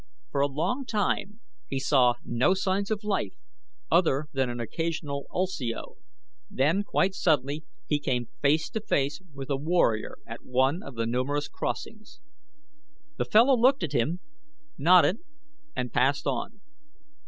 For a long time he saw no signs of life other than an occasional ulsio, then quite suddenly he came face to face with a warrior at one of the numerous crossings. The fellow looked at him, nodded, and passed on.